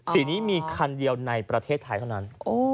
สีนี้มีคันเดียวในประเทศไทยเท่านั้น